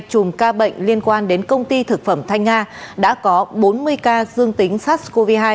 chùm ca bệnh liên quan đến công ty thực phẩm thanh nga đã có bốn mươi ca dương tính sars cov hai